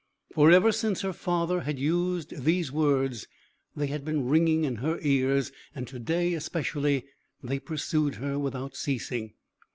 For, ever since her father had used these words, they had been ringing in her ears, and to day especially they pursued her without ceasing.